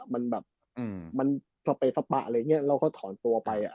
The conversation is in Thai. มันสะเปร่าแล้วทอนตัวไป